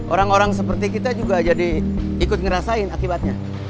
orang orang seperti kita juga jadi ikut ngerasain akibatnya